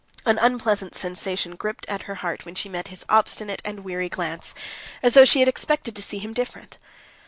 An unpleasant sensation gripped at her heart when she met his obstinate and weary glance, as though she had expected to see him different.